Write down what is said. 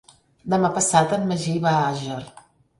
Demà passat en Magí va a Àger.